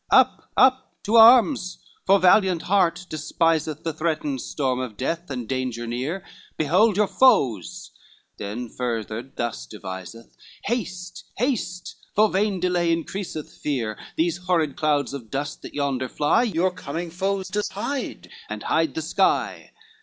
Up, up, to arms, for valiant heart despiseth The threatened storm of death and danger near. Behold your foes;" then further thus deviseth, "Haste, haste, for vain delay increaseth fear, These horrid clouds of dust that yonder fly, Your coming foes does hide, and hide the sky."